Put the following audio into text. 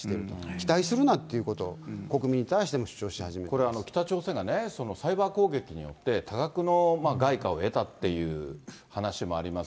期待するなっていうことを、国民これは北朝鮮がね、サイバー攻撃によって、多額の外貨を得たっていう話もあります。